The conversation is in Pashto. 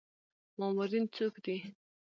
مامورین څوک دي؟